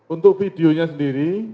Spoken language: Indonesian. untuk videonya sendiri